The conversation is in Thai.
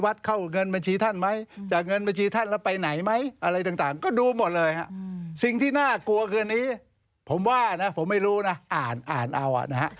วันนี้ผมว่านะผมไม่รู้นะอ่านอ่านเอานะฮะ